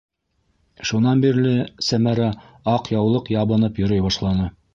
Шунан бирле Сәмәрә аҡ яулыҡ ябынып йөрөй башланы.